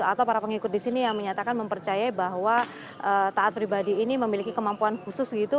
atau para pengikut disini yang menyatakan mempercayai bahwa taat pribadi ini memiliki kemampuan khusus